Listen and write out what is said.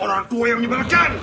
orang tua yang menyebarkan